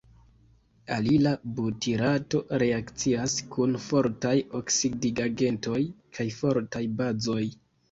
Alila butirato reakcias kun fortaj oksidigagentoj kaj fortaj bazoj.